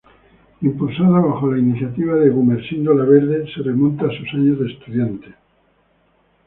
Impulsada bajo la iniciativa de Gumersindo Laverde, se remonta a sus años de estudiante.